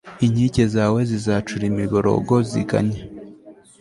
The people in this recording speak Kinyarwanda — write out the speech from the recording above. inkike zawe zizacura imiborogo, ziganye